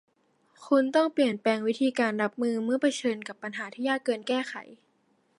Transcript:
คุณต้องเปลี่ยนแปลงวิธีการรับมือเมื่อเผชิญกับปัญหาที่ยากเกินแก้ไข